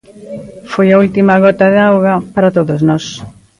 Foi a última gota de auga para todos nós.